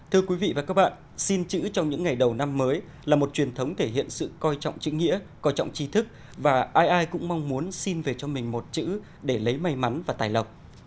thưa quý vị và các bạn xin chữ trong những ngày đầu năm mới là một truyền thống thể hiện sự coi trọng chính nghĩa coi trọng trí thức và ai ai cũng mong muốn xin về cho mình một chữ để lấy may mắn và tài lộc